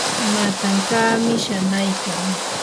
matankaami shanaykan.